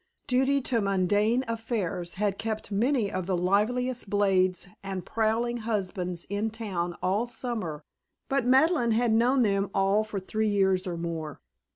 Duty to mundane affairs had kept many of the liveliest blades and prowling husbands in town all summer; but Madeleine had known them all for three years or more.